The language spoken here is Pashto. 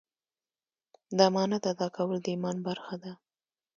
د امانت ادا کول د ایمان برخه ده.